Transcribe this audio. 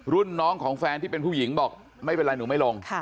รุ่นน้องของแฟนที่เป็นผู้หญิงบอกไม่เป็นไรหนูไม่ลง